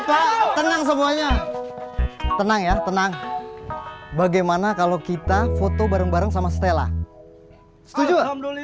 pak tenang semuanya tenang ya tenang bagaimana kalau kita foto bareng bareng sama stella setuju alhamdulillah